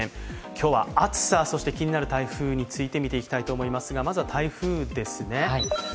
今日は暑さ、そして気になる台風について見ていきたいんですが、まずは台風ですね。